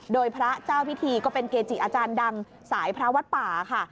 โดยพระเจ้าพิธีก็เป็นเกจิอาจารย์ดังสายพระวัดป่าค่ะ